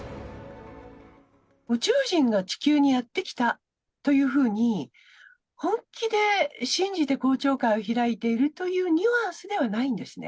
宇宙人が地球にやって来たっていうふうに、本気で信じて公聴会を開いているというニュアンスではないんですね。